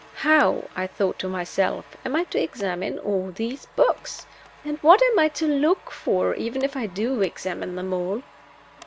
How (I thought to myself) am I to examine all these books? And what am I to look for, even if I do examine them all?